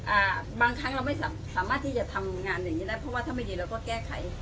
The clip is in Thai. อ่าบางครั้งเราไม่สามารถที่จะทำงานอย่างงี้ได้เพราะว่าถ้าไม่ดีเราก็แก้ไข